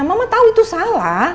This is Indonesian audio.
mama tau itu salah